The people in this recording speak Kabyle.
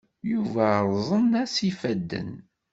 Yuba rrẓen-as yifadden.